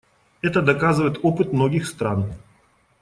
Это доказывает опыт многих стран.